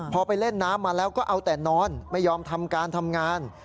พอไปเล่นน้ำมาแล้วก็เอาแต่นอนไม่ยอมทำการทำงาน